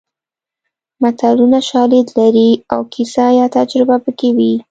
متلونه شالید لري او کیسه یا تجربه پکې وي